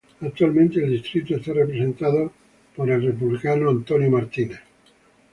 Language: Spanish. Actualmente el distrito está representado por el Republicano Scott Garrett.